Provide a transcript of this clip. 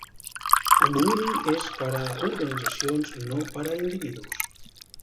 El domini és per a organitzacions i no per a individus.